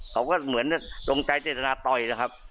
เขาก็เหมือนจงใจเจตนาต่อยนะครับ